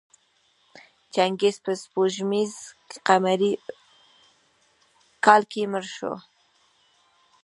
چنګیز په سپوږمیز قمري کال کې مړ شو.